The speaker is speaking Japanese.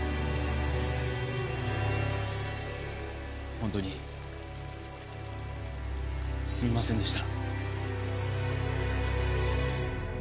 ホントにすみませんでした